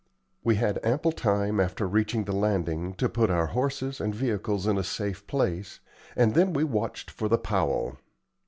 We had ample time after reaching the landing to put our horses and vehicles in a safe place, and then we watched for the "Powell."